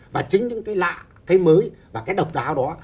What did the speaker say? và chính những cái lạ cái mới và cái độc đáo đó